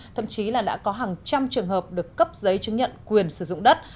thậm chí là đã có hàng trăm trường hợp được cấp giấy chứng nhận quyền sử dụng đất